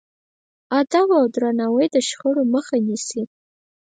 ادب او درناوی د شخړو مخه نیسي.